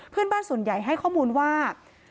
เพื่อนบ้านส่วนใหญ่ให้ข้อมูลว่า